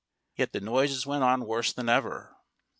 Yet the noises went on worse than ever.